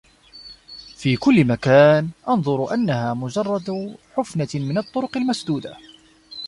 في كل مكان أنظر، انها مجرد حفنة من الطرق المسدودة.